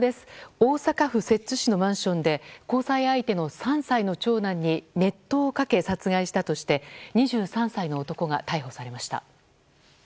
大阪府摂津市のマンションで交際相手の３歳の長男に熱湯をかけ、殺害したとして２３歳の男が逮捕されました。